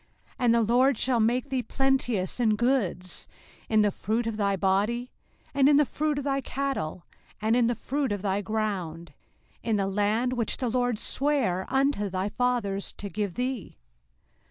05:028:011 And the LORD shall make thee plenteous in goods, in the fruit of thy body, and in the fruit of thy cattle, and in the fruit of thy ground, in the land which the LORD sware unto thy fathers to give thee.